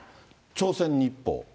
朝鮮日報。